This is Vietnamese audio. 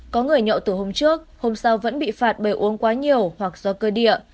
có người nhộn từ hôm trước hôm sau vẫn bị phạt bởi uống quá nhiều hoặc do cơ địa